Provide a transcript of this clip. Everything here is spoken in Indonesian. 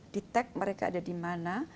detect mereka ada di mana